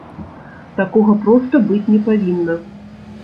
Такога проста быць не павінна!